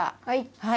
はい。